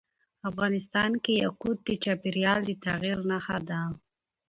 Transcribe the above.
افغانستان کې یاقوت د چاپېریال د تغیر نښه ده.